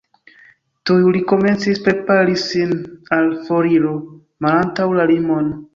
Tuj li komencis prepari sin al foriro malantaŭ la limon.